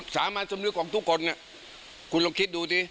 สามัญสำนึกของทุกคนคุณลองคิดดูสิ